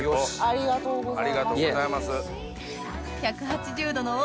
ありがとうございます。